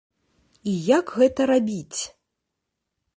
І як гэта рабіць?